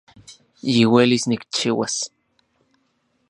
Yiuelis nikchiuas